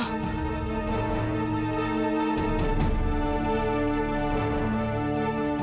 mereka tuh sama sama sama